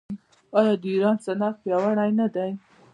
آیا د ایران صنعت پیاوړی نه دی؟